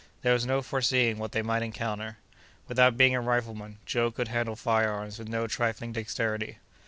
There was no foreseeing what they might encounter. Without being a rifleman, Joe could handle fire arms with no trifling dexterity.